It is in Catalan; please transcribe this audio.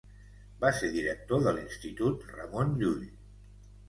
Va ser director de l'Institut Ramon Llull.